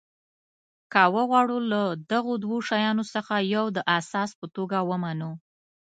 که وغواړو له دغو دوو شیانو څخه یو د اساس په توګه ومنو.